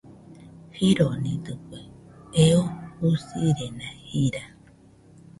Jironidɨkue, eo usirena jira.